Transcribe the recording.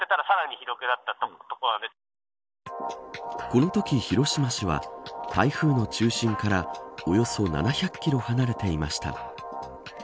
このとき広島市は台風の中心からおよそ７００キロ離れていました。